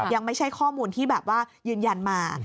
ยังไม่ใช่ข้อมูลที่ยืนยันมา